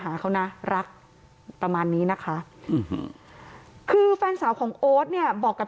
หาเขานะรักประมาณนี้นะคะคือแฟนสาวของโอ๊ตเนี่ยบอกกับ